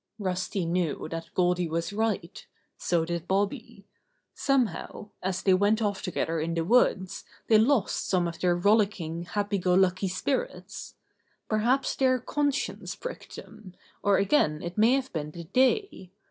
Rusty knew that Goldy was right. So did Bobby. Somehow, as they went of3f together in the woods, they lost some of their rollick ing, happy go lucky spirits. Perhaps their conscience pricked them, or again it may have been the day.